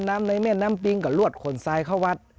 น้ำไน่เม่นน้ำปิงก็รวดขนสายเข้าวัด